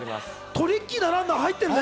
トリッキーなランナー入ってるね。